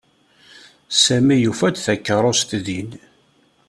Sami yufa-d takeṛṛust din.